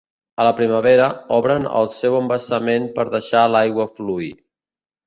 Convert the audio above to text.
A la primavera, obren el seu embassament per deixar l'aigua fluir.